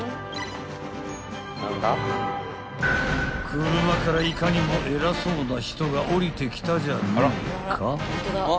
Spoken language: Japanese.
［車からいかにも偉そうな人が降りてきたじゃねえか］